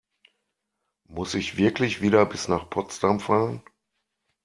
Muss ich wirklich wieder bis nach Potsdam fahren?